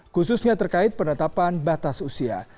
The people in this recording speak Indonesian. khususnya terkait penetapan batas usia